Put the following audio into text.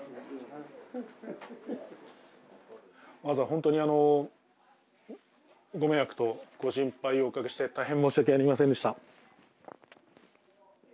まずはほんとにあのご迷惑とご心配をおかけして大変申し訳ありませんでした。